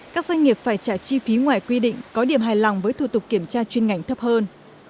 các doanh nghiệp phải trả chi phí ngoài quy định có điểm hài lòng với thủ tục kiểm tra chuyên ngành thấp hơn